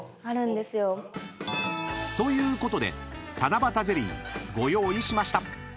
［ということで七夕ゼリーご用意しました］